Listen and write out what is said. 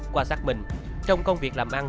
qua xác minh trong công việc làm ăn